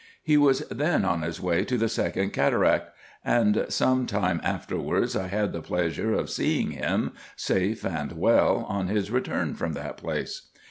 He was then on his way to the second cataract ; and some time afterwards I had the pleasure of seeing him, safe and well, on his return from that place.